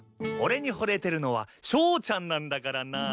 俺にほれてるのはショーちゃんなんだからな。